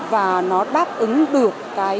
và nó đáp ứng được cái